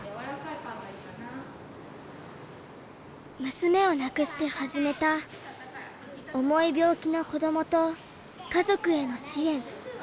娘を亡くして始めた重い病気の子どもと家族への支援。